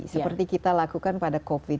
seperti kita lakukan pada covid